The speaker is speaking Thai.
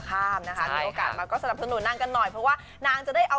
ขายบ้านขายรถกันไปแล้วด้วย